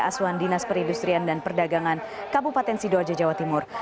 asuhan dinas perindustrian dan perdagangan kabupaten sidoarjo jawa timur